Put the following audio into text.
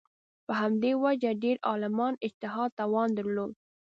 په همدې وجه ډېرو عالمانو اجتهاد توان درلود